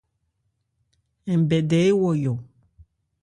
Nbɛdɛ ewɔyɔ.